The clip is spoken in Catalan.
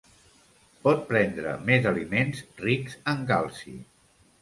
Pot prendre més aliments rics en calci.